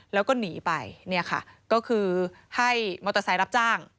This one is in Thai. แล้วก็หนีไปเนี่ยค่ะก็คือให้มอเตอร์ไซค์รับจ้าง